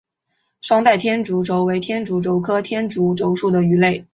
双带天竺鲷为天竺鲷科天竺鲷属的鱼类。